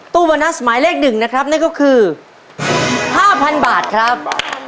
ตู้โบนัสหมายเลข๑นะครับนั่นก็คือ๕๐๐๐บาทครับ